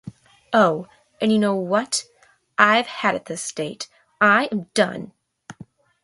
Oh, and you know what? I've had it this date. I am done!